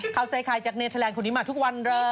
เขาใส่ข่ายจากเนธแหลงคุณนี้มาทุกวันเลย